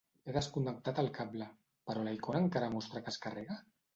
He desconnectat el cable, però la icona encara mostra que es carrega?